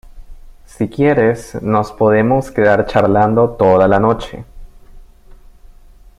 si quieres, nos podemos quedar charlando toda la noche.